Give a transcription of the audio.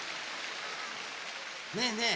ねえねえ